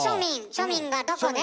庶民がどこで？